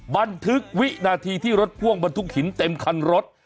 บันทึกวินาทีที่รถพ่วงบรรทุกหินเต็มคันรถ